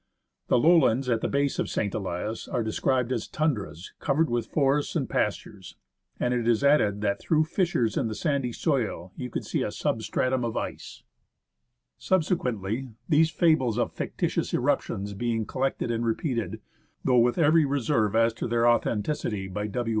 The lowlands at the base of St. Elias are described as " tundras " covered with forests and pastures, and it is added that through fissures in the sandy soil you could see a substratum of ice. 48 THE HISTORY OF MOUNT ST. ELIAS Subsequently, these fables of fictitious eruptions being collected and repeated, though with every reserve as to their authenticity, by W.